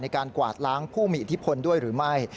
การกวาดล้างผู้มีอิทธิพลด้วยหรือไม่